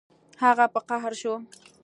هغه په قهر شو